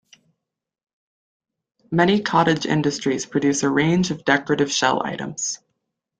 Many cottage industries produce a range of decorative shell items.